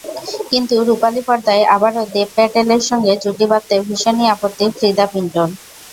কিন্তু রুপালি পর্দায় আবারও দেব প্যাটেলের সঙ্গে জুটি বাঁধতে ভীষণই আপত্তি ফ্রিদা পিন্টোর।